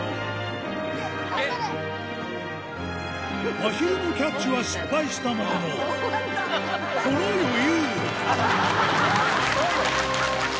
まひるのキャッチは失敗したものの、この余裕。